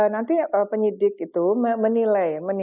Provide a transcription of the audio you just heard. nanti penyidik itu menilai